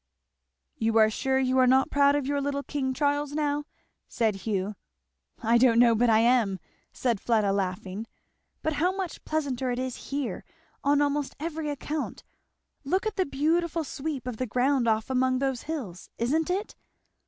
"You are sure you are not proud of your little King Charles now?" said Hugh. "I don't know but I am," said Fleda laughing. "But how much pleasanter it is here on almost every account. Look at the beautiful sweep of the ground off among those hills isn't it?